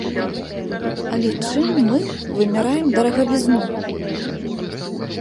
Але чым мы вымяраем дарагавізну?